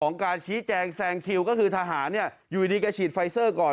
การชี้แจงแซงคิวก็คือทหารเนี่ยอยู่ดีแกฉีดไฟเซอร์ก่อน